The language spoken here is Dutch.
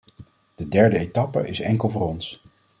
De derde etappe is enkel voor ons.